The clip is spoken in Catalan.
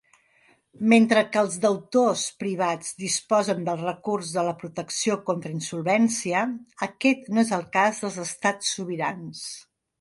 Mentre que els deutors privats disposen del recurs de la protecció contra insolvència, aquest no és el cas dels estats sobirans.